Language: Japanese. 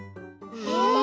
へえ。